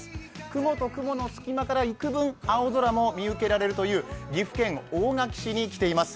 雲と雲の隙間からいくぶん青空も見受けられるという岐阜県大垣市に来ています。